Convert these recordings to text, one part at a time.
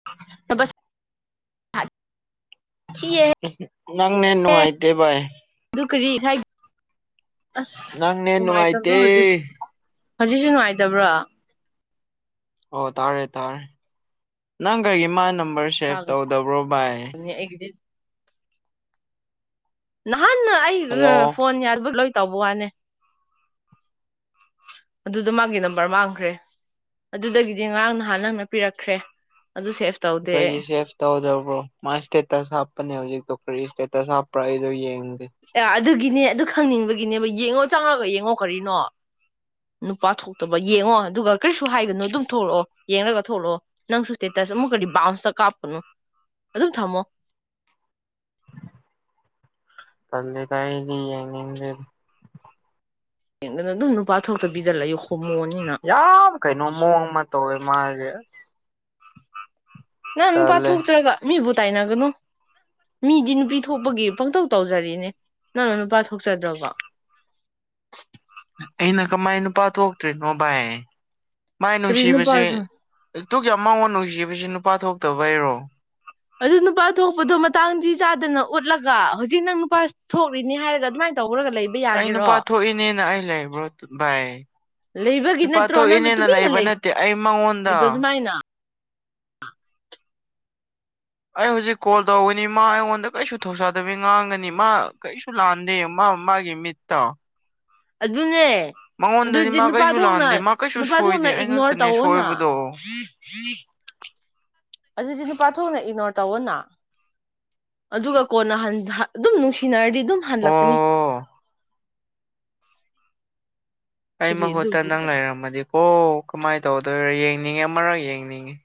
[unintelligible] ꯊꯤꯌꯦ ꯅꯪ ꯅꯦꯠ ꯅꯨꯡꯉꯥꯏꯇꯦ ꯚꯥꯏ ꯑꯗꯨ ꯀꯔꯤ ꯍꯥꯏ ꯅꯪ ꯑꯁ ꯅꯦꯠ ꯅꯨꯡꯉꯥꯏꯇꯕ꯭ꯔꯣ ꯅꯨꯡꯉꯥꯏꯇꯦ ꯍꯧꯖꯤꯛ ꯍꯧꯖꯤꯛꯁꯨ ꯅꯨꯡꯉꯥꯏꯇꯕ꯭ꯔꯣ ꯑꯣ ꯇꯥꯔꯦ ꯇꯥꯔꯦ ꯅꯪ ꯀꯩꯒꯤ ꯃꯥꯏ ꯅꯝꯕꯔ ꯁꯦꯚ ꯇꯧꯗꯕ꯭ꯔꯣ ꯚꯥꯏ ꯅꯦ ꯑꯩꯒꯤꯗꯤ ꯅꯍꯥꯟꯅ ꯑꯩ ꯍꯜꯂꯣ ꯐꯣꯟ ꯌꯥꯗꯕ ꯂꯣꯏ ꯇꯧꯕ ꯋꯥꯅꯦ [inaudible] ꯑꯗꯨꯗ ꯃꯥꯒꯤ ꯅꯝꯕꯔ ꯃꯥꯡꯈ꯭ꯔꯦ ꯑꯗꯨꯗꯒꯤꯗꯤ ꯉꯔꯥꯡ ꯅꯍꯥꯟ ꯅꯪꯅ ꯄꯤꯔꯛꯈ꯭ꯔꯦ ꯑꯗꯨ ꯁꯦꯞ ꯑꯩꯈꯣꯏꯒꯤ ꯁꯦꯞ ꯇꯧꯗꯕ꯭ꯔꯣ ꯃꯥꯥꯏ ꯏꯁꯇꯦꯇꯁ ꯍꯥꯞꯄꯅꯦ ꯍꯧꯖꯤꯛꯗꯣ ꯀꯔꯤ ꯏꯁꯇꯦꯇꯁ ꯍꯥꯞꯄ꯭ꯔꯥ ꯑꯩꯗꯣ ꯌꯦꯡꯗꯦ ꯑꯥ ꯑꯗꯨꯒꯤꯅꯦ ꯑꯗꯨ ꯈꯪꯅꯤꯡꯕꯒꯤꯅꯦꯕ ꯌꯦꯡꯉꯣ ꯆꯪꯉꯒ ꯌꯦꯡꯉꯣ ꯀꯔꯤꯅꯣ ꯅꯨꯄꯥ ꯊꯣꯛꯇꯕ ꯌꯦꯡꯉꯣ ꯑꯗꯨꯒ ꯀꯔꯤꯁꯨ ꯍꯥꯏꯒꯅꯨ ꯑꯗꯨꯝ ꯊꯣꯛꯂꯛꯑꯣ ꯌꯦꯡꯂꯒ ꯊꯣꯛꯂꯛꯑꯣ ꯅꯪꯁꯨ ꯁ꯭ꯇꯦꯇꯁ ꯑꯃꯨꯛ ꯔꯤ ꯕꯥꯎꯟꯁꯇ ꯀꯥꯞꯄꯅꯣ ꯑꯗꯨꯝ ꯊꯝꯃꯣ ꯇꯜꯂꯤꯗ ꯑꯩꯗꯤ ꯌꯦꯡꯅꯤꯡꯗꯦꯗ ꯌꯦꯡꯗꯅ ꯑꯗꯨꯝ ꯅꯨꯄꯥ ꯊꯣꯛꯇꯕꯤꯗ ꯂꯩꯌꯨ ꯍꯣꯃꯣꯅꯤꯅ ꯌꯥꯝ ꯀꯩꯅꯣ ꯃꯑꯣꯡ ꯑꯃ ꯇꯧꯋꯦ ꯃꯥꯁꯦ ꯅꯪ ꯅꯨꯄꯥ ꯇꯜꯂꯦ ꯊꯣꯛꯇ꯭ꯔꯒ ꯃꯤꯕꯨ ꯇꯥꯏꯅꯒꯅꯨ ꯃꯤꯗꯤ ꯅꯨꯄꯤ ꯊꯣꯛꯄꯒꯤ ꯄꯪꯇꯧ ꯇꯧꯖꯔꯤꯅꯦ ꯅꯪꯅ ꯅꯨꯄꯥ ꯊꯣꯛꯆꯗ꯭ꯔꯥꯒ ꯑꯩꯅ ꯀꯃꯥꯏꯅ ꯅꯨꯄꯥ ꯊꯣꯛꯇ꯭ꯔꯤꯅꯣ ꯚꯥꯏ ꯃꯥꯏ ꯀꯔꯤ ꯅꯨꯄꯥ ꯅꯨꯡꯁꯤꯕꯁꯦ ꯑꯗꯨꯛ ꯌꯥꯝ ꯃꯉꯣꯟ ꯅꯨꯡꯁꯤꯕꯁꯤ ꯅꯨꯄꯥ ꯊꯣꯛꯇꯕꯩꯔꯣ ꯑꯗꯨ ꯅꯨꯄꯥ ꯊꯣꯛꯄꯗꯣ ꯃꯇꯥꯡꯗꯤ ꯆꯥꯗꯅ ꯎꯠꯂꯒ ꯍꯧꯖꯤꯛ ꯅꯪ ꯅꯨꯄꯥ ꯊꯣꯛꯂꯤꯅꯤ ꯍꯥꯏꯔꯒ ꯑꯗꯨꯃꯥꯏꯅ ꯇꯧꯔꯒ ꯂꯩ ꯑꯩ ꯅꯨꯄꯥ ꯊꯣꯛꯏꯅꯦꯅ ꯑꯩ ꯂꯩꯕ꯭ꯔꯣ ꯚꯥꯏ ꯂꯩꯕꯒꯤ ꯅꯨꯨꯄꯥ ꯅꯠꯇ꯭ꯔꯣ ꯅꯪꯅ ꯊꯣꯛꯏꯅꯦꯅ ꯇꯨꯃꯤꯟꯅ ꯂꯩꯕ ꯅꯠꯇꯦ ꯑꯩ ꯃꯉꯣꯟꯗ ꯂꯩꯔꯤꯗꯣ ꯑꯗꯨꯃꯥꯏꯅ ꯑꯩ ꯍꯧꯖꯤꯛ ꯀꯣꯜ ꯇꯧꯒꯅꯤ ꯃꯥ ꯑꯩꯉꯣꯟꯗ ꯀꯩꯁꯨ ꯊꯧꯁꯥꯗꯕꯤ ꯉꯥꯡꯒꯅꯤ ꯃꯥ ꯀꯩꯁꯨ ꯂꯥꯟꯗꯦ ꯃꯥ ꯃꯥꯒꯤ ꯃꯤꯠꯇ ꯑꯗꯨꯅꯦ ꯃꯉꯣꯟꯗꯗꯤ ꯑꯗꯨꯗꯤ ꯃꯥ ꯅꯨꯄꯥ ꯀꯩꯁꯨ ꯊꯣꯛꯅ ꯂꯥꯟꯗꯦ ꯃꯥ ꯀꯩꯁꯨ ꯅꯨꯄꯥ ꯊꯣꯛꯅ ꯁꯣꯏꯗꯦ ꯏꯒꯅꯣꯔ ꯑꯩꯉꯥꯛꯇꯅꯦ ꯇꯧꯑꯣꯅ ꯁꯣꯏꯕꯗꯣ ꯑꯗꯨꯗꯤ ꯅꯨꯄꯥ ꯊꯣꯛꯅ ꯏꯅꯣꯔ ꯇꯧꯋꫭꯅꯥ ꯑꯗꯨꯒ ꯀꯣꯟꯅ ꯍꯟ ꯍꯟ ꯑꯗꯨꯝ ꯅꯨꯡꯁꯤꯅꯔꯗꯤ ꯑꯗꯨꯝ ꯍꯜꯂꯛꯀꯅꯤ ꯑꯣ ꯑꯩ ꯀꯔꯤ ꯃꯍꯨꯠꯇ ꯅꯪ ꯑꯗꯨꯒꯤꯗ ꯂꯩꯔꯝꯃꯗꯤꯀꯣ ꯀꯃꯥꯏꯅ ꯇꯧꯗꯣꯏꯔꯣ ꯌꯦꯡꯅꯤꯡꯉꯦ ꯑꯃꯔꯛ ꯌꯦꯡꯅꯤꯡꯉꯦ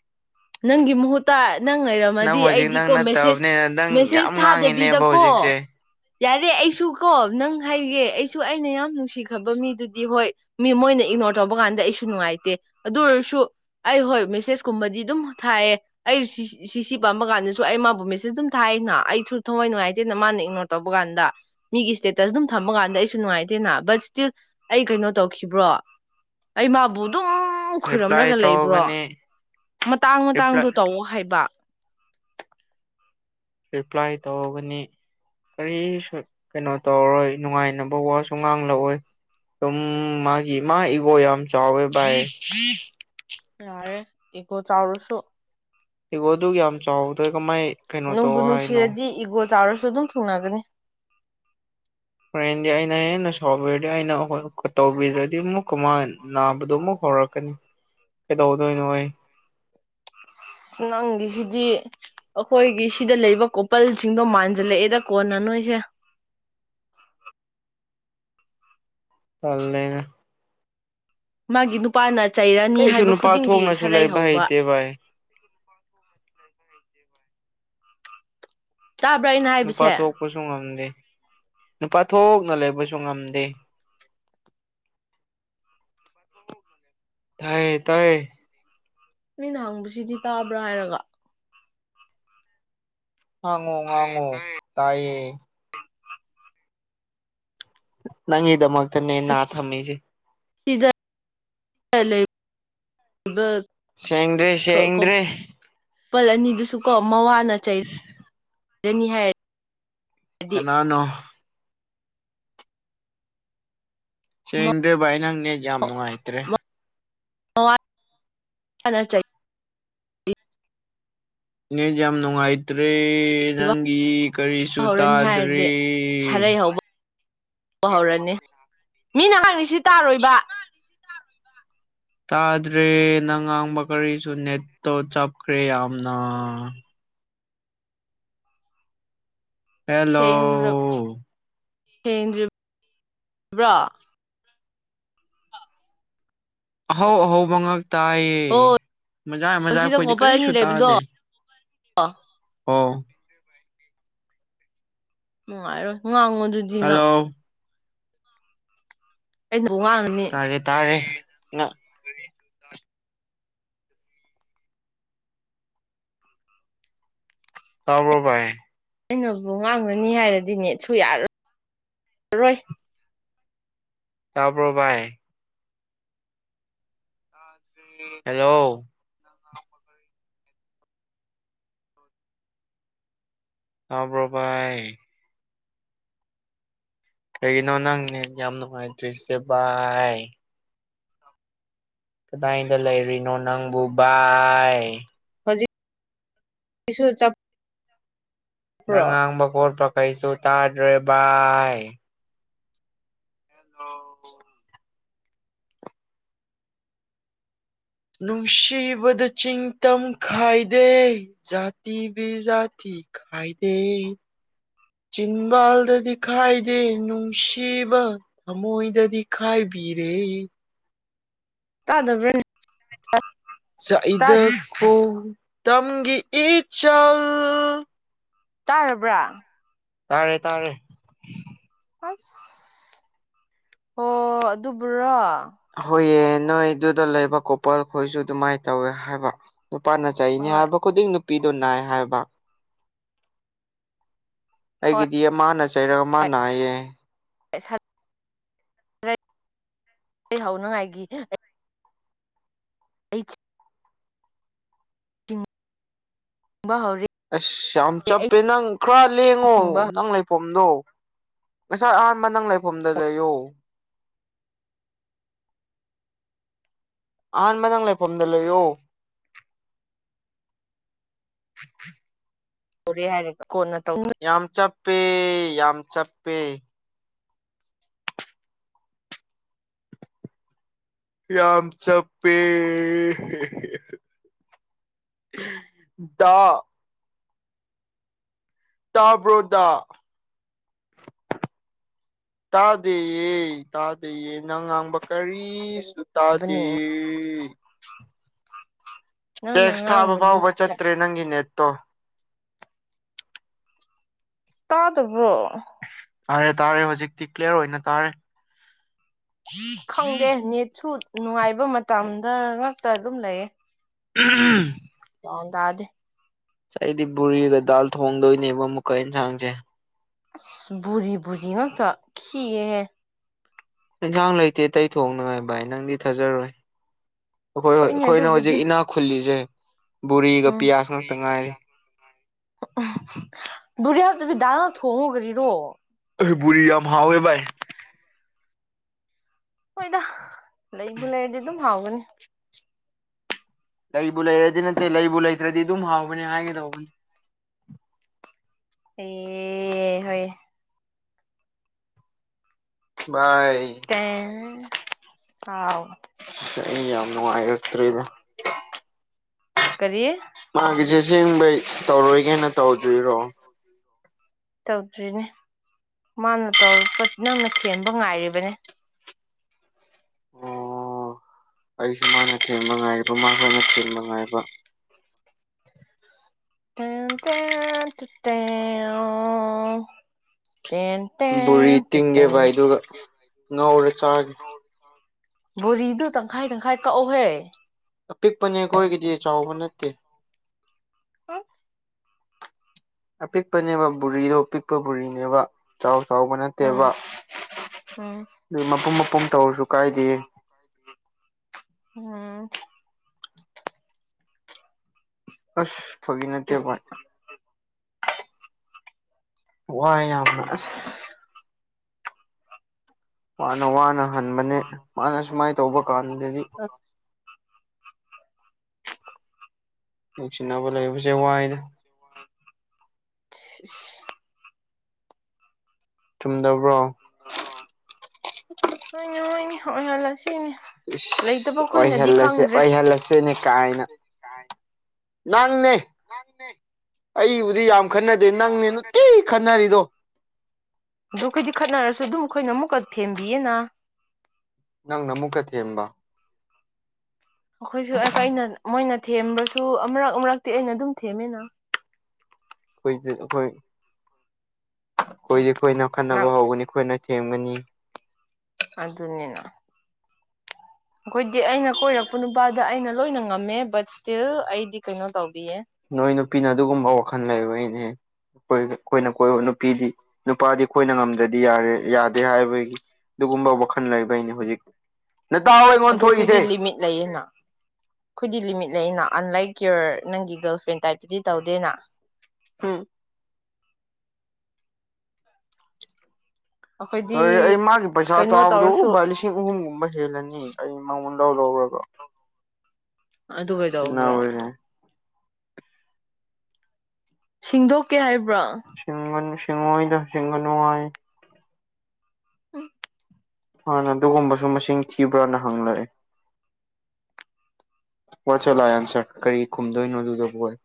ꯅꯪꯒꯤ ꯃꯍꯨꯠ ꯇ ꯅꯪ ꯅꯪ ꯂꯩꯔꯝꯃꯗꯤ ꯍꯧꯖꯤꯛ ꯅꯪ ꯑꯩꯗꯤꯀꯣ ꯃꯦꯁꯦꯁ ꯅꯠꯇꯕꯅꯤꯅ ꯅꯪ ꯃꯦꯁꯦꯁ ꯌꯥꯝ ꯉꯥꯡꯉꯤꯅꯦꯕ ꯊꯥꯗꯕꯤꯗꯀꯣ ꯍꯧꯖꯤꯛꯁꯦ ꯌꯥꯔꯦ ꯑꯩꯁꯨ ꯀꯣ ꯅꯪ ꯍꯥꯏꯒꯦ ꯑꯩꯁꯨ ꯑꯩꯅ ꯌꯥꯝ ꯅꯨꯡꯁꯤꯈ꯭ꯔꯕ ꯃꯤꯗꯨꯗꯤ ꯍꯣꯏ ꯃꯤ ꯃꯣꯏꯅ ꯏꯒꯅꯣꯔ ꯇꯧꯕ ꯀꯥꯟꯗ ꯑꯩꯁꯨ ꯅꯨꯡꯉꯥꯏꯇꯦ ꯑꯗꯨ ꯑꯣꯏꯔꯁꯨ ꯑꯩ ꯍꯣꯏ ꯃꯦꯁꯦꯁꯀꯨꯝꯕꯗꯤ ꯑꯗꯨꯝ ꯊꯥꯏꯌꯦ ꯑꯩ ꯁꯤ ꯁꯤ ꯄꯥꯝꯕ ꯀꯥꯟꯗꯁꯨ ꯑꯩ ꯃꯥꯕꯨ ꯃꯦꯁꯦꯖ ꯑꯗꯨꯝ ꯊꯥꯏꯅ ꯑꯩꯁꯨ ꯊꯋꯥꯏ ꯅꯨꯡꯉꯥꯏꯇꯦꯅ ꯃꯥꯅ ꯏꯛꯅꫭꯔ ꯇꯣꯕꯒꯥꯟꯗ ꯃꯤꯒꯤ ꯏꯁꯇꯦꯇꯁ ꯑꯗꯨꯝ ꯊꯝꯕ ꯀꯥꯟꯗ ꯑꯩꯁꯨ ꯅꯨꯡꯉꯥꯏꯇꯦꯅ ꯕꯠ ꯁꯇꯤꯜ ꯑꯩ ꯀꯩꯅꯣ ꯇꯧꯈꯤꯕ꯭ꯔꯣ ꯑꯩ ꯃꯥꯕꯨ ꯗꯨꯝ ꯔꯤꯄ꯭ꯂꯥꯏ ꯈꯨꯔꯨꯝꯂꯒ ꯂꯩꯕ꯭ꯔꯣ ꯇꯧꯒꯅꯤ ꯇꯥꯡ-ꯃꯇꯥꯡꯗꯣ ꯇꯧꯑꯣ ꯍꯥꯏꯕ ꯔꯤꯄ꯭ꯂꯥꯏ ꯇꯧꯒꯅꯤ ꯀꯔꯤꯁꯨ ꯀꯩꯅꯣ ꯇꯧꯔꯔꯣꯏ ꯅꯨꯡꯉꯥꯏꯅꯕ ꯋꯥꯁꯨ ꯉꯥꯡꯂꯛꯑꯣꯏ ꯗꯨꯝ ꯃꯥꯒꯤ ꯃꯥ ꯏꯒꯣ ꯌꯥꯝ ꯆꯥꯎꯋꯦ ꯚꯥꯏ ꯌꯥꯔꯦ ꯏꯒꯣ ꯆꯥꯎꯔꯁꯨ ꯏꯒꯣ ꯗꯨꯛ ꯌꯥꯝ ꯆꯥꯎꯕꯗꯣ ꯑꯩ ꯀꯃꯥꯏ ꯀꯩꯅꯣ ꯇꯧ ꯅꯨꯡꯕꯨ ꯍꯥꯏꯅꯣ ꯅꯨꯡꯁꯤꯔꯗꯤ ꯏꯒꯣ ꯆꯥꯎꯔꯁꯨ ꯑꯗꯨꯝ ꯊꯨꯡꯅꯒꯅꯤ ꯍꯣꯔꯦꯟꯗꯤ ꯑꯩꯅ ꯍꯦꯟꯅ ꯁꯥꯎꯕꯤꯔꯗꯤ ꯑꯩꯅ ꯍꯣꯏ ꯇꯧꯕꯤꯗꯔ꯭ꯗꯤ ꯑꯃꯨꯛꯀ ꯃꯥꯟ ꯅꯥꯕꯗꯣ ꯑꯃꯨꯛ ꯍꯧꯔꯛꯀꯅꯤ ꯀꯩꯗꯧꯗꯣꯏꯅꯣ ꯑꯩ ꯅꯪꯒꯤꯁꯤꯗꯤ ꯑꯩꯈꯣꯏꯒꯤ ꯁꯤꯗ ꯂꯩꯕ ꯀꯣꯄꯜꯁꯤꯡꯗꯣ ꯃꯥꯟꯖꯤꯜꯂꯛꯑꯦꯗ ꯀꯣꯟꯅ ꯅꯣꯏꯁꯦ ꯇꯜꯂꯦꯅꯦ ꯃꯥꯒꯤ ꯅꯨꯄꯥꯅ ꯆꯩꯔꯅꯤ ꯀꯩꯁꯨ ꯍꯥꯏꯕ ꯅꯨꯄꯥ ꯈꯨꯗꯤꯡꯒꯤ ꯊꯣꯛꯅꯁꯨ ꯁꯔꯩ ꯂꯩꯕ ꯍꯧꯕ ꯍꯩꯇꯦ ꯚꯥꯏ ꯇꯥꯕ꯭ꯔꯥ ꯑꯩꯅ ꯍꯥꯏꯕꯁꯦ ꯈꯣꯏꯁꯨ ꯉꯝꯗꯦ ꯅꯨꯄꯥ ꯊꯣꯛꯅ ꯂꯩꯕꯁꯨ ꯉꯝꯗꯦ ꯊꯌꯦ ꯇꯥꯏꯌꯦ ꯃꯤꯅ ꯍꯡꯕꯁꯤꯗꯤ ꯇꯥꯕ꯭ꯔꯥ ꯍꯥꯏꯔꯒ ꯉꯥꯡꯉꯣ ꯉꯥꯡꯉꯣ ꯇꯥꯏꯌꯦ ꯅꯪꯒꯤꯗꯃꯛꯇꯅꯦ ꯅꯥ ꯊꯝꯃꯤꯁꯦ [inaudible] ꯁꯦꯡꯗ꯭ꯔꯦ ꯁꯦꯡꯗ꯭ꯔꯦ ꯄꯜ ꯑꯅꯤꯗꯨꯁꯨ ꯀꯣ ꯃꯋꯥꯅ ꯆꯩ ꯔꯅꯤ ꯍꯥꯏ ꯀꯅꯥꯅꯣ ꯁꯦꯡꯗ꯭ꯔꯦ ꯚꯥꯏ ꯅꯪ ꯅꯦꯠ ꯌꯥꯝ ꯅꯨꯡꯉꯥꯏꯇ꯭ꯔꯦ ꯃꯋꯥꯅ ꯆꯩ ꯅꯦꯠ ꯌꯥꯝ ꯅꯨꯡꯉꯥꯏꯇ꯭ꯔꯦ ꯅꯪꯒꯤ ꯀꯔꯤꯁꯨ ꯍꯧꯔꯅꯤ ꯇꯥꯗ꯭ꯔꯦ ꯍꯥꯏꯔꯗꯤ ꯁꯥꯔꯩ ꯍꯧꯕ ꯍꯧꯔꯅꯤ ꯃꯤꯅ ꯍꯡꯉꯤꯁꯤ ꯇꯥꯔꯣꯏꯕ ꯇꯥꯗ꯭ꯔꯦ ꯅꯪ ꯉꯥꯡꯕ ꯀꯔꯤꯁꯨ ꯅꯦꯠꯇꯣ ꯆꯞꯈ꯭ꯔꯦ ꯌꯥꯝꯅ ꯍꯦꯜꯂꯣ ꯁꯦꯡꯔꯞ ꯁꯦꯡꯗ꯭ꯔꯤ ꯕ꯭ꯔꯥ ꯑꯍꯧ ꯑꯍꯧꯕ ꯉꯥꯛ ꯇꯥꯏꯌꯦ ꯍꯣꯏ ꯃꯖꯥ ꯃꯖꯥꯛ ꯁꯤꯗ ꯑꯩꯈꯣꯏꯗꯤ ꯀꯣꯄꯔ ꯑꯅꯤ ꯀꯔꯤꯁꯨ ꯂꯩꯕꯗꯣ ꯇꯥꯗꯦ ꯑꯣ ꯅꯨꯡꯉꯥꯏꯔꯣꯏ ꯉꯥꯡꯉꯣ ꯗꯨꯗꯤ ꯍꯜꯂꯣ ꯑꯩ ꯅ ꯋꯥꯡ ꯇꯥꯔꯦ ꯇꯥꯔꯦ ꯅ ꯇꯥꯕ꯭ꯔꯣꯕꯥꯥꯏ ꯑꯩꯅꯕꯨ ꯉꯥꯡꯔꯅꯤ ꯍꯥꯏꯔꯗꯤ ꯅꯦꯠꯁꯨ ꯌꯥꯔ ꯔꯣꯏ ꯇꯥꯕ꯭ꯔꯣ ꯚꯥꯏ ꯇꯥꯗꯔ꯭ꯦ ꯍꯜꯂꯣ ꯇꯥꯕ꯭ꯔꯣ ꯕꯥꯥꯏ ꯀꯩꯒꯤꯅꯣ ꯅꯪ ꯅꯦꯠ ꯌꯥꯝ ꯅꯨꯡꯉꯥꯏ ꯇꯥꯔꯤꯁꯦ ꯕꯥꯏ꯫ ꯀꯗꯥꯏꯗ ꯂꯩꯔꯤꯅꯣ ꯅꯪꯕꯨ ꯕꯥꯏ ꯑꯩꯁꯨ ꯆꯥꯛ ꯅꯪ ꯉꯥꯡꯕ ꯈꯣꯠꯄ ꯀꯩꯁꯨ ꯇꯥꯗ꯭ꯔꯦ ꯕꯥꯏ ꯍꯜꯂꯣ ꯅꯨꯡꯁꯤꯕꯗꯥ ꯆꯤꯡ ꯇꯝ ꯈꯥꯏꯗꯦ ꯖꯥꯇꯤ ꯕꯤ ꯖꯥꯇꯤ ꯈꯥꯏꯗꯦ ꯆꯤꯟꯕꯥꯜꯗꯗꯤ ꯈꯥꯏꯗꯦ ꯅꯨꯡꯁꯤꯕ ꯊꯃꯣꯏꯗꯗꯤ ꯈꯥꯏꯕꯤꯔꯦ꯫ ꯇꯥꯗꯕ꯭ꯔꯥꯅꯦ ꯆꯥꯛꯏꯗꯀꫭ ꯇꯝꯒꯤ ꯏꯆꯜ ꯇꯥꯔꯕ꯭ꯔꯥ ꯇꯥꯔꯦ ꯇꯥꯔꯦ ꯑꯁ ꯍꯣ ꯑꯗꯨꯕꯨꯔꯣ ꯍꯣꯏꯌꯦ ꯅꯣꯏ ꯑꯗꯨꯗ ꯂꯩꯕ ꯀꯣꯄꯜ ꯈꯣꯏꯁꯨ ꯑꯗꯨꯃꯥꯏ ꯇꯧꯋꯦ ꯍꯥꯏꯕ ꯅꯨꯄꯥꯅ ꯆꯩꯅꯤ ꯍꯣꯏ ꯍꯥꯏꯕ ꯈꯨꯗꯤꯡ ꯅꯨꯄꯤꯗꯣ ꯅꯥꯏ ꯍꯥꯏꯕ ꯍꯣꯏ ꯑꯩꯒꯤꯗꯤ ꯃꯥꯅ ꯆꯩꯔ ꯃꯥ ꯍꯥꯏꯌꯦ [unintelligible] ꯍꯥꯎꯅꯉꯥꯏꯒꯤ ꯑꯩ [unintelligible] ꯆꯤꯡ ꯕ ꯍꯧꯔꯦ ꯑꯁ ꯌꯥꯝ ꯑꯩ ꯆꯞꯄꯦ ꯅꯪ ꯈꯔ ꯂꯦꯡꯉꯣ ꯆꯤꯡꯕ ꯅꯪ ꯂꯩ ꯐꯝꯗꯣ ꯉꯁꯥꯏ ꯑꯍꯥꯟꯕ ꯅꯪ ꯂꯩꯐꯝꯗ ꯂꯩꯌꯣ꯫ ꯑꯍꯥꯟꯕ ꯅꯪ ꯂꯩꯐꯝꯗ ꯂꯩꯌꫭ ꯇꯣꯔꯦ ꯍꯥꯏꯔꯒ ꯀꯣꯟꯅ ꯇꯧ ꯌꯥꯝ ꯆꯞꯄꯦ ꯌꯥꯝ ꯆꯞꯄꯦ ꯌꯥꯝ ꯆꯞꯄꯦ ꯗꯥ ꯇꯥꯕ꯭ꯔꯣ ꯗꯥ ꯇꯥꯗꯦꯌꯦ ꯇꯥꯗꯦꯌꯦ ꯅꯪ ꯉꯥꯡꯕ ꯀꯔꯤꯁꯨ ꯇꯥꯗꯦ ꯇꯧꯅꯕꯅꯤ [inaudible] ꯅꯪꯅ ꯇꯦꯛꯁ ꯊꯥꯕ ꯉꯥꯡꯕꯗꯤ ꯐꯥꯎꯕ ꯇꯥꯏ ꯆꯠꯇ꯭ꯔꯦ ꯅꯪꯒꯤ ꯅꯦꯠꯇꯣ ꯇꯥꯗꯕ꯭ꯔꫭ ꯇꯥꯔꯦ ꯇꯥꯔꯦ ꯍꯧꯖꯤꯛꯇꯤ ꯀ꯭ꯂꯤꯌꯥꯔ ꯑꯣꯏꯅ ꯇꯥꯔꯦ꯫ ꯈꯪꯗꯦ ꯅꯦꯠꯁꯨ ꯅꯨꯡꯉꯥꯏꯕ ꯃꯇꯝꯗ ꯉꯥꯛꯇ ꯑꯗꯨꯝ ꯂꯩꯌꯦ꯫ ꯎꯝ꯫ ꯒꯌ꯭ꯥꯟ ꯇꯥꯗꯦ ꯑꯩꯗꯤ ꯕꯨꯔꯤꯒ ꯗꯥꯜ ꯊꯣꯡꯗꯣꯏꯅꯦꯕ ꯑꯃꯨꯛꯀ ꯌꯦꯟꯁꯥꯡꯁꯦ ꯑꯁ ꯕꯨꯔꯤ ꯕꯨꯔꯤ ꯉꯥꯛꯇ ꯈꯤꯍꯦ ꯑꯦꯟꯁꯥꯡ ꯂꯩꯇꯦ ꯑꯇꯩ ꯊꯣꯡꯅꯉꯥꯏ ꯕꯥꯏ ꯅꯪꯗꯤ ꯊꯥꯖꯔꯣꯏ ꯑꯩꯈꯣꯏ ꯍꯣꯏꯅꯦ ꯑꯩꯈꯣꯏꯅ ꯑꯗꯨꯕꯨꯗꯤ ꯍꯧꯖꯤꯛ ꯏꯅꯥꯛ ꯈꯨꯜꯂꯤꯁꯦ ꯕꯨꯔꯤꯒ ꯎꯝ ꯄꯤꯌꯥꯁ ꯉꯥꯛꯇ ꯉꯥꯏꯔꯤ꯫ ꯕꯨꯔꯤ ꯍꯥꯞꯇꯕꯤ ꯗꯥꯜ ꯉꯥꯛ ꯊꯣꯡꯉꫭ ꯀꯔꯤꯔꯣ ꯑꯩ ꯕꯨꯔꯤ ꯌꯥꯝ ꯍꯥꯎꯋꯦ ꯕꯥꯏ ꯍꯣꯏꯗ ꯂꯩꯕꯨ ꯂꯩꯔꯗꯤ ꯑꯗꯨꯝ ꯍꯥꯎꯒꯅꯤ꯫ ꯂꯩꯕꯨ ꯂꯩꯔꯗꯤ ꯅꯠꯇꯦ ꯂꯩꯕꯨ ꯂꯩꯇ꯭ꯔꯥꯗꯤ ꯑꯗꯨꯝ ꯍꯥꯎꯕꯅꯤ ꯍꯥꯏꯒꯦ ꯇꯧꯕꯅꯦ ꯑꯦ ꯍꯣꯏ ꯚꯥꯏ ꯍꯥꯎ ꯑꯩ ꯌꯥꯝ ꯅꯨꯡꯉꯥꯏꯔꯛꯇ꯭ꯔꯦꯗ ꯀꯔꯤ ꯃꯥꯒꯤꯁꯦ ꯁꯦꯡꯕꯩ ꯇꯧꯔꯣꯏꯒꯦꯅ ꯇꯧꯗ꯭ꯔꯤꯔꯣ ꯇꯧꯗ꯭ꯔꯤꯅꯦ ꯃꯥꯅ ꯇꯧꯔꯛꯄ ꯅꯪꯅ ꯊꯦꯝꯕ ꯉꯥꯏꯔꯤꯕꯅꯦ ꯑꯣ ꯑꯩꯁꯨ ꯃꯥꯅ ꯊꯦꯡꯕ ꯉꯥꯏꯔꯤꯕ ꯃꯥꯁꯨ ꯑꯩꯅ ꯊꯦꯝꯕ ꯉꯥꯏꯕ [unintelligible] ꯕꯣꯔꯤ ꯇꯦꯠ ꯇꯤꯡꯒꯦ ꯚꯥꯏ ꯇꯦꯟ ꯑꯗꯨꯒ ꯉꯧꯔꯥ ꯆꯥꯒꯦ ꯕꯣꯔꯤꯗꯨ ꯇꯪꯈꯥꯏ ꯇꯪꯈꯥꯏ ꯀꯛꯎꯍꯦ ꯑꯄꯤꯛꯄꯅꯦ ꯑꯈꯣꯏꯒꯤꯗꯤ ꯆꯥꯎꯕ ꯅꯠꯇꯦ ꯍꯥ ꯑꯄꯤꯛꯄꯅꯦꯕ ꯕꯣꯔꯤꯗꯣ ꯑꯄꯤꯛꯄ ꯕꯣꯔꯤꯅꯦꯕ ꯆꯥꯎ ꯆꯥꯎꯕ ꯅꯠ ꯇꯦꯕ ꯎꯝ ꯎꯝ ꯑꯗꯨ ꯃꯄꯨꯝ ꯃꯄꯨꯝ ꯇꯧꯔꯁꯨ ꯀꯥꯏꯗꯦ ꯎꯝ ꯑꯁ ꯐꯥꯒꯤ ꯅꯠꯇꯦ ꯎꯝ ꯚꯥꯏ ꯋꯥꯏ ꯌꯥꯝꯅ ꯑꯁ ꯋꯥꯅ ꯋꯥꯅ ꯍꯟꯕꯅꯦ ꯃꯥꯅ ꯁꯨꯃꯥꯏ ꯇꯧꯕ ꯀꯥꯟꯗꯗꯤ ꯑꯥ ꯅꯨꯡꯁꯤꯅꯕ ꯂꯩꯕꯁꯦ ꯋꯥꯏꯗ ꯏꯁ ꯏꯁ ꯆꯨꯝꯗꯕ꯭ꯔꯣ [inaudible] ꯍꯣꯏꯅꯦ ꯍꯣꯏꯅꯦ ꯑꯣꯏꯍꯜꯂꯁꯤꯅꯦ ꯏꯁ ꯂꯩꯇꯕ ꯑꯣꯏꯍꯜ ꯈꯣꯏꯅꯗꯤ ꯂꯥꯁꯦ ꯈꯪꯗ꯭ꯔꯦ ꯑꯣꯏꯍꯜ ꯂꯥꯁ [unintelligible] ꯅꯦ ꯀꯥꯏꯅ ꯅꯪꯅꯦ ꯑꯩꯕꯨꯗꯤ ꯌꯥꯝ ꯈꯟꯅꯗꯦ ꯅꯪꯅꯦ ꯅꯨꯇꯤ ꯈꯟꯅꯔꯤꯗꯣ ꯑꯗꯨ ꯈꯩꯗꯤ ꯈꯠꯅꯔꯁꯨ ꯑꯗꯨꯝ ꯈꯣꯏꯅ ꯑꯃꯨꯛꯀꯥ ꯊꯦꯝꯕꯤꯌꯦꯅ ꯅꯪꯅ ꯑꯃꯨꯛꯀꯥ ꯊꯦꯝꯕ ꯑꯈꯣꯏꯁꯨ ꯑꯈꯋꯥꯏꯅꯥꯟ ꯃꯣꯏꯅ ꯊꯦꯝꯕꯁꯨ ꯑꯃꯨꯔꯛ ꯑꯃꯨꯔꯛꯇꯤ ꯑꯩꯅ ꯑꯗꯨꯝ ꯊꯦꯝꯃꯦꯅ ꯑꯩꯈꯣꯏꯗꯤ ꯑꯩꯈꯣꯏ ꯑꯩꯈꯣꯏꯗꯤ ꯑꯩꯈꯣꯏꯅ ꯅꯪ ꯈꯠꯅꯕ ꯍꯧꯒꯅꯤ ꯑꯩꯈꯣꯏꯅ ꯊꯦꯝꯒꯅꯤ ꯑꯗꯨꯅꯤꯅ ꯑꯩꯈꯣꯏꯗꯤ ꯑꯩꯅ ꯀꯣꯏꯔꯛꯄ ꯅꯨꯄꯥꯗ ꯑꯩꯅ ꯂꯣꯏꯅ ꯉꯝꯃꯦ ꯕꯠ ꯁ꯭ꯇꯤꯜ ꯑꯩꯗꯤ ꯀꯩꯅꯣ ꯇꯧꯕꯤꯌꯦ ꯅꯣꯏ ꯅꯨꯄꯤꯅ ꯑꯗꯨꯒꯨꯝꯕ ꯋꯥꯈꯜ ꯂꯩꯕꯒꯤꯅꯦ ꯑꯩꯈꯣꯏꯗꯤ ꯑꯩꯈꯣꯏꯅ ꯀꯣꯏ ꯅꯨꯄꯤꯗꯤ ꯅꯨꯄꯥꯗꯤ ꯑꯩꯈꯣꯏꯅ ꯉꯝꯗ꯭ꯔꯥꯗꯤ ꯌꯥꯔꯦ ꯌꯥꯗꯦ ꯍꯥꯏꯕꯒꯤ ꯑꯗꯨꯒꯨꯝꯕ ꯋꯥꯈꯜ ꯂꯩꯕꯩꯅꯦ ꯍꯨꯖꯤꯛ ꯅꯇꯥꯎ ꯑꯗꯨ ꯑꯩꯈꯣꯏꯗꯤ ꯂꯤꯃꯤꯠ ꯂꯩꯌꯦꯅ ꯑꯩꯈꯣꯏꯗꯤ ꯂꯤꯃꯤꯠ ꯂꯩꯅ ꯑꯟꯂꯥꯏꯛ ꯀꯤꯌꯣꯔ ꯅꯪꯒꯤ ꯒꯔꯜ ꯐ꯭ꯔꯦꯟ ꯇꯥꯏꯞꯇꯥꯗꯤ ꯇꯧꯗꯦꯅ ꯎꯝ ꯑꯩꯈꯣꯏꯗꯤ ꯂꯣꯏꯔꯦ ꯑꯩ ꯃꯥꯒꯤ ꯄꯩꯁꯥ ꯀꯩꯅꯣ ꯆꯥꯕꯗꯨ ꯇꯧꯔꯁꯨ ꯎꯨ ꯚꯥꯏ ꯂꯤꯁꯤꯡ ꯑꯍꯨꯝꯒꯨꯝꯕ ꯍꯦꯜꯂꯅꯤ ꯑꯩ ꯃꯉꯣꯟ ꯂꯧ ꯂꯧꯔꯒ ꯑꯗꯨ ꯀꯩꯗꯧꯕ꯭ꯔꯣ ꯁꯤꯟꯅꯕꯁꯦ ꯁꯤꯡꯗꯣꯛꯀꯦ ꯍꯥꯏꯕ꯭ꯔꯣ ꯁꯤꯡꯉꯥꯅꯨ ꯁꯤꯡꯉꯣꯏꯗ ꯁꯤꯡꯒꯥꯅꯨ ꯍꯥꯏ ꯎꯝ ꯍꯥꯟꯅ ꯑꯗꯨꯒꯨꯝꯕꯁꯨ ꯃꯥꯁꯤꯡ ꯊꯤꯕ꯭ꯔꯥꯅ ꯍꯪꯂꯛꯑꯦ ꯋꯥꯠꯁ ꯂꯥꯏꯑꯟꯁꯔ ꯀꯩ ꯈꯨꯝꯗꯣꯏꯅꯣ ꯑꯗꯨꯗꯕꯨ ꯑꯩ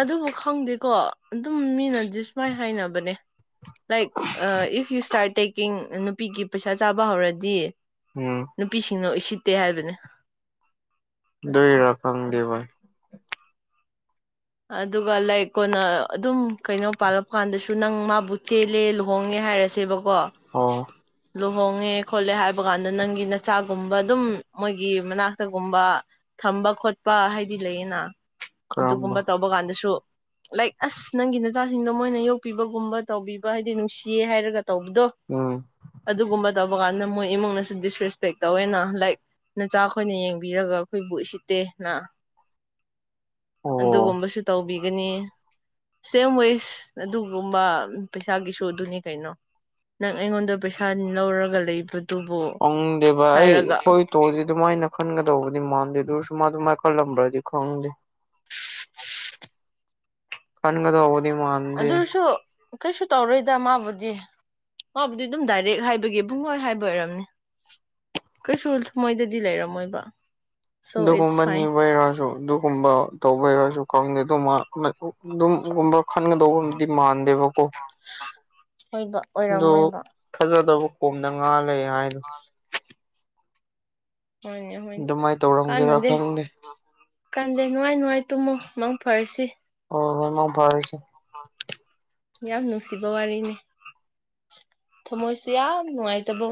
ꯑꯗꯨꯕꯨ ꯈꯪꯗꯦꯀꯣ ꯑꯗꯨꯝ ꯃꯤꯅꯗꯤ ꯁꯨꯃꯥꯏ ꯍꯥꯏꯅꯕꯅꯦ ꯂꯥꯏꯛ ꯑꯥ ꯏꯐ ꯌꯨ ꯏꯁꯇꯥꯔꯠ ꯇꯦꯛꯀꯤꯡ ꯅꯨꯄꯤꯒꯤ ꯄꯩꯁꯥ ꯆꯥꯕ ꯍꯧꯔꯗꯤ ꯎꯝ ꯅꯨꯄꯤꯁꯤꯡꯅ ꯎꯁꯤꯠꯇꯦ ꯍꯥꯏꯕꯅꯦ ꯗꯨꯏꯔ ꯈꯪꯗꯦ ꯚꯥꯏ ꯑꯗꯨꯒ ꯂꯥꯏꯛ ꯀꯣꯟꯅ ꯑꯗꯨꯝ ꯀꯩꯅꯣ ꯄꯥꯜꯂꯛꯄ ꯀꯥꯟꯗꯁꯨ ꯇꯨ ꯅꯪ ꯃꯥꯕꯨ ꯆꯦꯜꯂꯦ ꯂꯨꯍꯣꯡꯉꯦ ꯍꯥꯏꯔꯁꯦꯕꯀꯣ ꯑꯣ ꯂꯨꯍꯣꯡꯉꯦ ꯈꯣꯠꯂꯦ ꯍꯥꯏꯕ ꯀꯥꯟꯗ ꯅꯪꯒꯤ ꯅꯆꯥꯒꯨꯝꯕ ꯑꯗꯨꯝ ꯃꯣꯏꯒꯤ ꯃꯅꯥꯛꯇꯒꯨꯝꯕ ꯊꯝꯕ ꯈꯣꯠꯄ ꯍꯥꯏꯗꯤ ꯂꯩꯌꯦꯅ ꯀꯔꯝꯕ ꯑꯗꯨꯒꯨꯝꯕ ꯇꯧꯕ ꯀꯥꯟꯗꯁꯨ ꯂꯥꯏꯛ ꯑꯁ ꯅꯪꯒꯤ ꯅꯆꯥꯁꯤꯡꯗꯣ ꯃꯣꯏꯅ ꯌꯣꯛꯄꯤꯕꯒꯨꯝꯕ ꯇꯧꯕꯤꯕ ꯍꯥꯏꯗꯤ ꯅꯨꯡꯁꯤꯌꯦ ꯍꯥꯏꯔꯒ ꯇꯧꯕꯗꯣ ꯎꯝ ꯑꯗꯨꯒꯨꯝꯕ ꯇꯧꯕ ꯀꯥꯟꯗ ꯃꯣꯏ ꯏꯃꯨꯡꯅꯁꯨ ꯗꯤꯁꯔꯦꯁꯄꯦꯛ ꯇꯧꯋꯦꯅ ꯂꯥꯏꯛ ꯅꯆꯥ ꯑꯈꯣꯏꯅ ꯌꯦꯡꯕꯤꯔꯒ ꯑꯩꯈꯣꯏꯕꯨ ꯏꯁꯤꯠꯇꯦꯅ ꯑꯣ ꯑꯗꯨꯒꯨꯝꯕꯁꯨ ꯇꯧꯕꯤꯒꯅꯤ ꯁꯦꯝ ꯋꯦꯁ ꯑꯗꯨꯒꯨꯝꯕ ꯄꯩꯁꯥꯒꯤꯁꯨ ꯑꯗꯨꯅꯤ ꯀꯩꯅꯣ ꯅꯪ ꯑꯩꯉꯣꯟꯗ ꯄꯩꯁꯥꯟ ꯂꯧꯔꯒ ꯂꯩꯕ__ ꯑꯪꯗꯦꯕ ꯑꯩ ꯈꯣꯏ ꯇꯧꯑꯗꯤ ꯑꯗꯨꯃꯥꯏꯅ ꯈꯟꯒꯗꯧꯕꯗꯤ ꯃꯥꯟꯗꯦ ꯑꯗꯨ ꯑꯣꯏꯔꯁꯨ ꯃꯥꯗꯨ ꯃꯥꯏꯈꯜꯂꯝꯕ꯭ꯔꯗꯤ ꯈꯪꯗꯦ ꯐꯟꯒꯗꯧꯕ ꯑꯗꯨꯁꯨ ꯀꯩꯁꯨ ꯇꯧꯔꯣꯏꯗ ꯃꯥꯕꯨꯗꯤ ꯃꯕꯨꯗꯤ ꯑꯗꯨꯝ ꯗꯥꯏꯔꯦꯛ ꯍꯥꯏꯕꯒꯤ ꯄꯨꯡꯍꯣꯏ ꯍꯥꯏꯕ ꯑꯣꯏꯔꯝꯅꯤ ꯀꯩꯁꯨꯜ ꯊ ꯃꯣꯏꯗꯗꯤ ꯂꯩꯔꯝꯃꯣꯏꯕ ꯁꯣ ꯏꯠꯁ ꯑꯗꯨꯒꯨꯝꯕ ꯐꯥꯏꯟ ꯅꯤꯕꯩꯔꯖꯨ ꯑꯗꯨꯒꯨꯝꯕ ꯇꯧꯕꯩꯔꯖꯨ ꯈꯪꯗꯦ ꯗꯨꯃꯥ ꯎꯝꯃꯦꯛ [unintelligible] ꯒꯨꯝ ꯈꯟꯒꯗꯧꯕꯨꯗꯤ ꯃꯥꯟꯗꯦꯕꯀꯣ ꯍꯣꯏꯕ ꯑꯗꯨ ꯑꯣꯏꯔꯝꯃꯣꯏꯕ ꯊꯥꯖꯗꯕ ꯀꯣꯝꯗ ꯉꯥ ꯂꯩ ꯍꯥꯏ [inaudible] ꯍꯣꯏꯅꯦ ꯍꯣꯏꯅꯦ ꯑꯗꯨꯃꯥꯏꯅ ꯇꯧꯔꯝꯒꯦꯔꯥ ꯀꯥꯟꯅꯗꯦ ꯈꯪꯗꯦ ꯀꯥꯟꯗꯦ ꯅꯨꯡꯉꯥꯏ ꯅꯨꯡꯉꯥꯏ ꯇꯨꯝꯃꯣ ꯃꯪ ꯐꯔꯁꯤ ꯑꯣ ꯍꯣꯏ ꯃꯪ ꯐꯔꯁꯤ ꯌꯥꯝ ꯅꯨꯡꯁꯤꯕ ꯋꯥꯔꯤꯅꯤ ꯊꯃꯣꯏꯁꯦ ꯌꯥꯝ ꯅꯨꯡꯉꯥꯏ ꯇꯕ ꯋꯥ